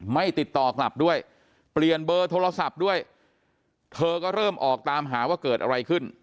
ไม่ติดต่อกลับด้วยเปลี่ยนเบอร์โทรศัพท์ด้วยเธอก็เริ่มออกตามหาว่าเกิดอะไรขึ้น